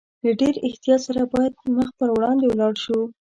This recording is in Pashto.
له ډېر احتیاط سره باید مخ پر وړاندې ولاړ شو.